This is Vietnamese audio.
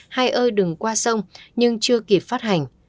hay ơi đừng qua sông nhưng chưa kịp phát hành